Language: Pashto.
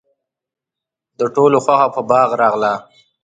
د ټولو خوښه په باغ راغله.